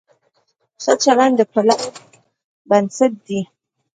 ښه چلند د پلور بنسټ دی.